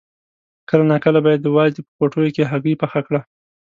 کله ناکله به یې د وازدې په پوټیو کې هګۍ پخه کړه.